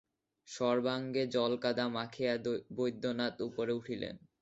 সর্বাঙ্গে জলকাদা মাখিয়া বৈদ্যনাথ উপরে উঠিলেন।